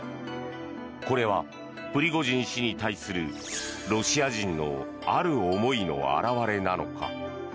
これは、プリゴジン氏に対するロシア人のある思いの表れなのか。